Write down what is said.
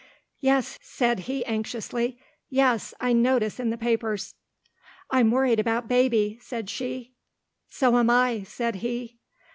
"Said he anxiously, 'Yes, I notice in the papers!' "'I'm worried about Baby,' said she. "'So am I,' said he.